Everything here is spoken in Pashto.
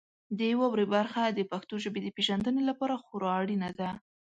د واورئ برخه د پښتو ژبې د پیژندنې لپاره خورا اړینه ده.